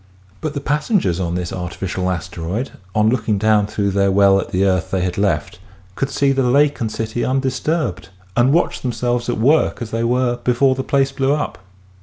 But the passengers on this artificial asteroid on looking down through their well at the earth they had left could see the lake and city undisturbed and watch themselves at work as they were before the place blew up.